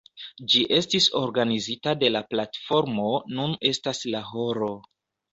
Ĝi estis organizita de la platformo Nun estas la horo.